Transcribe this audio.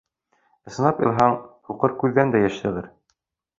Ысынлап илаһаң, һуҡыр күҙҙән дә йәш сығыр.